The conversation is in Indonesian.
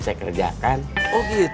kalau kikejah bilang seized